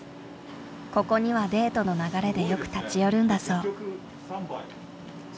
ここにはデートの流れでよく立ち寄るんだそう。